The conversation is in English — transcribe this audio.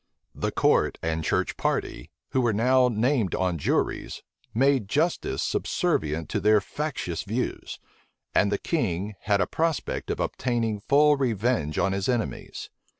The court and church party, who were now named on juries, made justice subservient to their factious views; and the king had a prospect of obtaining full revenge on his enemies.